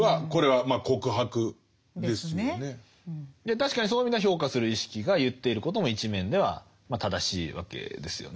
確かにそういう意味では評価する意識が言っていることも一面ではまあ正しいわけですよね。